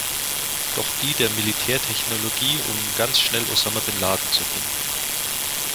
Doch die der Militärtechnologie, um ganz schnell Osama bin Laden zu finden.